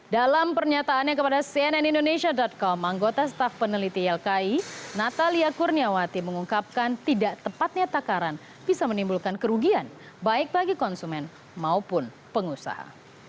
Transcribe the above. dalam pernyataannya kepada cnn indonesia com anggota staf peneliti ylki natalia kurniawati mengungkapkan tidak tepatnya takaran bisa menimbulkan kerugian baik bagi konsumen maupun pengusaha